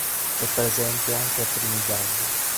È presente anche a Trinidad.